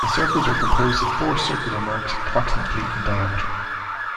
The circles were composed of four circular marks approximately in diameter.